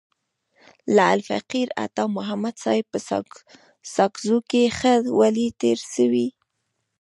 لعل فقیر عطا محمد صاحب په ساکزو کي ښه ولي تیر سوی.